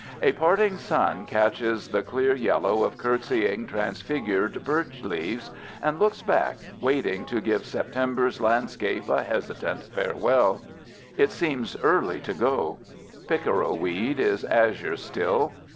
A parting sun catches the clear yellow of curtsying, transfigured birch leaves, and looks back, waiting, to give September's landscape a hesitant farewell. It seems early to go. Pickerelweed is azure still.